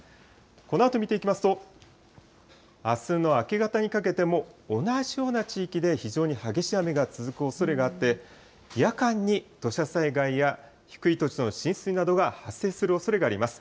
このあと見ていきますと、あすの明け方にかけても、同じような地域で非常に激しい雨が続くおそれがあって、夜間に土砂災害や低い土地の浸水などが発生するおそれがあります。